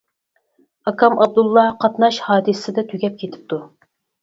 ئاكام ئابدۇللا قاتناش ھادىسىسىدە تۈگەپ كېتىپتۇ.